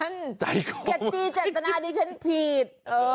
อย่าตีเจตนาดิฉันผิด